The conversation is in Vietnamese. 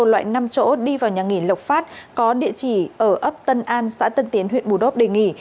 loại năm chỗ đi vào nhà nghỉ lộc phát có địa chỉ ở ấp tân an xã tân tiến huyện bù đốp đề nghị